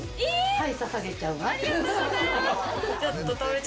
はい。